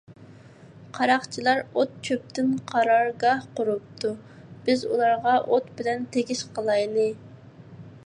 قاراقچىلار ئوت - چۆپتىن قارارگاھ قۇرۇپتۇ، بىز ئۇلارغا ئوت بىلەن تېگىش قىلايلى.